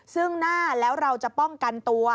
ซึ่งหน้าแล้วเราจะป้องกันตัว